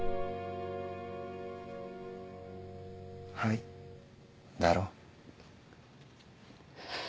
「はい」だろ？